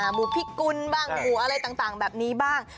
หมูพิกุลบ้างหมู่อะไรต่างแบบนี้บ้าง